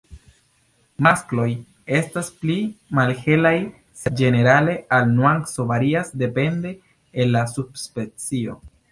Maskloj estas pli malhelaj, sed ĝenerale al nuanco varias depende el la subspecio.